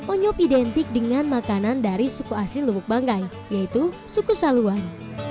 onyok identik dengan makanan dari suku asli lubuk banggai yaitu suku saluan